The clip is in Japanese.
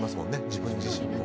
自分自身も。